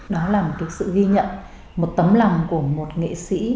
đó là một cái sự ghi nhận một tấm lòng của một nghệ sĩ